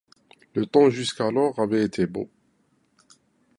Le temps jusqu’alors avait été beau.